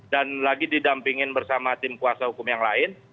dan lagi didampingin bersama tim kuasa hukum yang lain